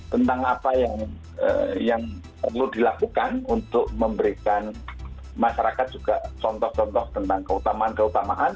tentang apa yang perlu dilakukan untuk memberikan masyarakat juga contoh contoh tentang keutamaan keutamaan